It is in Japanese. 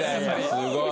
すごい。